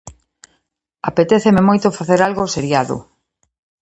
Apetéceme moito facer algo seriado.